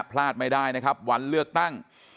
พลาดไม่ได้นะครับวันเลือกตั้ง